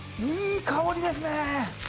いい香りですね！